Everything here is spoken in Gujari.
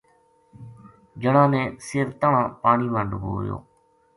جنا نے سِر تہنا پانی ما ڈبویو